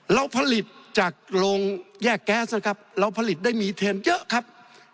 เราผลิตจากโรงแยกแก๊สนะครับเราผลิตได้มีเทนเยอะครับ